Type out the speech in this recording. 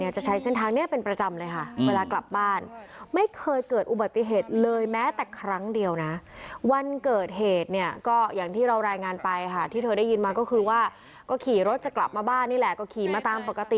จะใช้เส้นทางนี้เป็นประจำเลยค่ะเวลากลับบ้าน